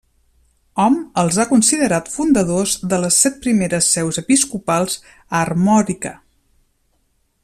Hom els ha considerat fundadors de les set primeres seus episcopals a Armòrica.